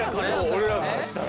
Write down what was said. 俺らからしたら。